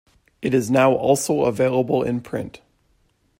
It is now also available in print.